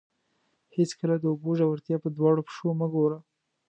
هېڅکله د اوبو ژورتیا په دواړو پښو مه ګوره.